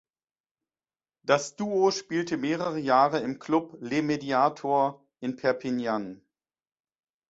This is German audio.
Das Duo spielte mehrere Jahre im Club "Le Mediator" in Perpignan.